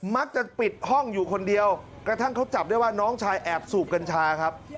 มักจะปิดห้องอยู่คนเดียวกระทั่งเขาจับได้ว่าน้องชายแอบสูบกัญชาครับ